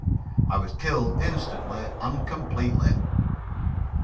I was killed instantly and completely.